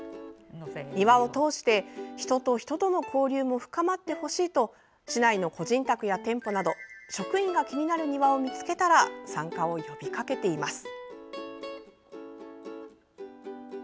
庭を通して、人と人との交流も深まってほしいと市内の個人宅や店舗など職員が気になる庭を見つけたら参加を呼びかけています。